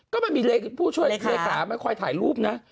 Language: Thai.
ก็มีผู้ช่วยเลการ์ไปถ่ายรูปนะ